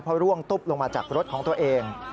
เพราะร่วงตุ๊บลงมาจากรถของตัวเอง